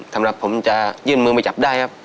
สำหรับผมจะยื่นมือไปจับได้ครับ